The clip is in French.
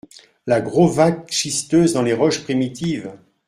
La grauwacke schisteuse dans les roches primitives !…